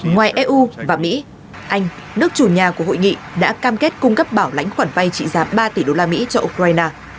ngoài eu và mỹ anh nước chủ nhà của hội nghị đã cam kết cung cấp bảo lãnh khoản vay trị giá ba tỷ đô la mỹ cho ukraine